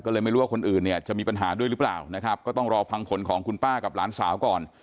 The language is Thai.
ก็เลยไม่รู้ว่าคนอื่นเนี่ยจะมีปัญหาด้วยหรือเปล่านะครับก็ต้องรอฟังผลของคุณป้ากับหลานสาวก่อน